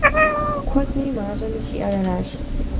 Куэдми мащӏэми сиӏэр аращ.